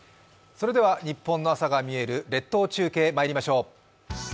「ニッポンの朝がみえる」列島中継、まいりましょう。